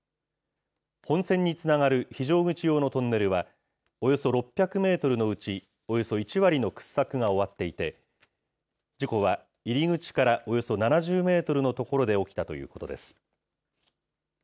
本線につながる非常口用のトンネルは、およそ６００メートルのうち、およそ１割の掘削が終わっていて、事故は入り口からおよそ７０メートルの所で起きたということです。